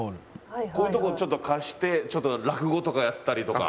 こういうとこちょっと貸してちょっと落語とかやったりとか？